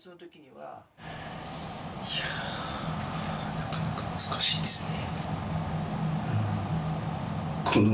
いやあなかなか難しいですね。